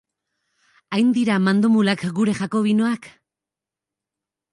Hain dira mandomulak gure jakobinoak?